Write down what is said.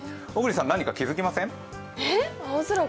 小栗さん、何か気付きません？